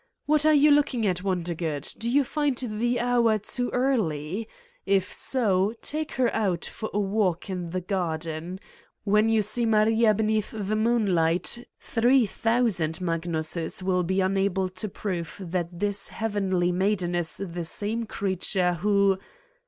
What are you looking at, Wondergood : do you find the hour too early? If so, take her out for a walk in the garden. When you see Maria beneath the moon night, 3000 Magnuses will be unable to prove that this heavenly maiden is the same creature who